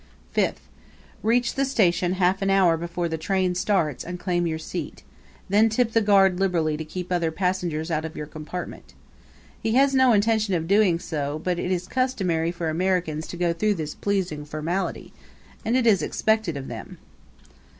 Fifth Reach the station half an hour before the train starts and claim your seat; then tip the guard liberally to keep other passengers out of your compartment. He has no intention of doing so, but it is customary for Americans to go through this pleasing formality and it is expected of them.